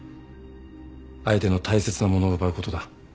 相手の大切なものを奪うことだ。